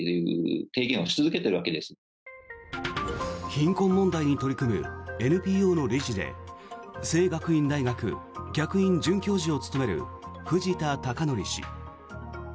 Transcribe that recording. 貧困問題に取り組むＮＰＯの理事で聖学院大学客員准教授を務める藤田孝典氏。